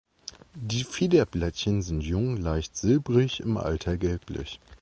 Die Fiederblättchen sind jung leicht silbrig, im Alter gelblich.